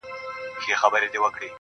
ستا د ښايست پکي محشر دی، زما زړه پر لمبو